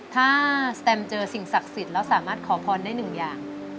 ถ้าสแตมเจอสิ่งศักดิ์สิทธิ์แล้วสามารถขอพรได้หนึ่งอย่าง